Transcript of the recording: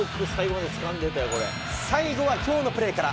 最後はきょうのプレーから。